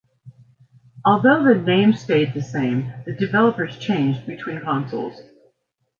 Although the name stayed the same, the developers changed between consoles.